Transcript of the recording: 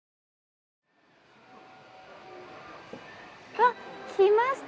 あっ、来ました、